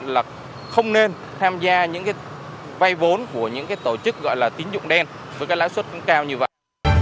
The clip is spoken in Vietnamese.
là không nên tham gia những cái vây vốn của những cái tổ chức gọi là tính dụng đen với cái lãi suất nó cao như vậy